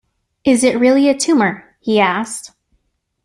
“Is it really a tumour?” he asked.